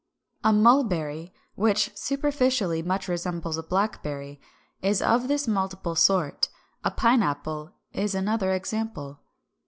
A mulberry (Fig. 408, which superficially much resembles a blackberry) is of this multiple sort. A pine apple is another example.